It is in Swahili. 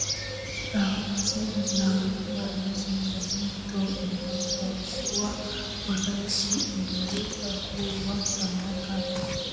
Ardhi na maji ya mito inapokuwa na asidi inaweza kuua samaki na